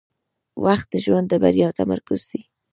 • وخت د ژوند د بریا تمرکز دی.